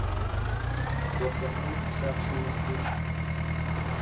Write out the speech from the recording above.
Доктор Мур сообщил о встрече.